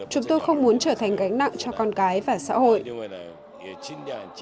chúng tôi không muốn trở thành gánh nặng cho con cái và xã hội